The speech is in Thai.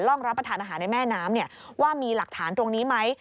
รับประทานอาหารในแม่น้ำว่ามีหลักฐานตรงนี้ไหม